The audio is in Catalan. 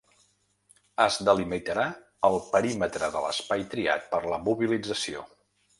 Es delimitarà el perímetre de l’espai triat per la mobilització.